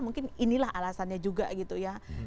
mungkin inilah alasannya juga gitu ya